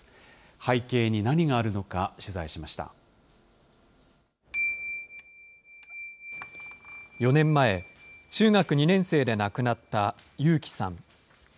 背景に何があるのか、取材しまし４年前、中学２年生で亡くなったゆうきさん。